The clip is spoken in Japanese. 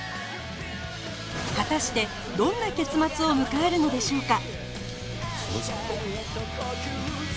果たしてどんな結末を迎えるのでしょうか？